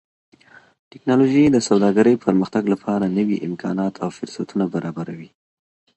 ټکنالوژي د سوداګرۍ پرمختګ لپاره نوي امکانات او فرصتونه برابروي.